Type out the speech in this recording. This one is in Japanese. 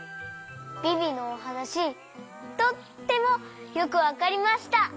ビビのおはなしとってもよくわかりました。